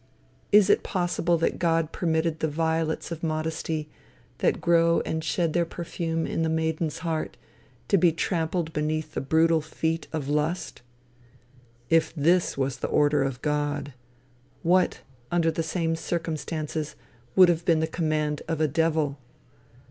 Is it possible that God permitted the violets of modesty, that grow and shed their perfume in the maiden's heart, to be trampled beneath the brutal feet of lust? If this was the order of God, what, under the same circumstances, would have been the command of a devil?